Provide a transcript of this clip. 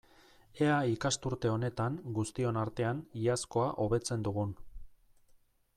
Ea ikasturte honetan, guztion artean, iazkoa hobetzen dugun!